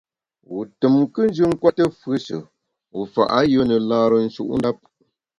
Wu tùm nkùnjù nkwete fùeshe wu fa ayùe ne lâre nshutndap.